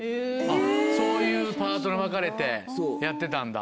そういうパートに分かれてやってたんだ。